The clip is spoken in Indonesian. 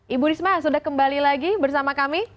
ibu risma sudah kembali lagi bersama kami